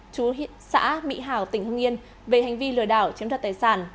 chú xã mỹ hảo tỉnh hương yên về hành vi lừa đảo chiếm đặt tài sản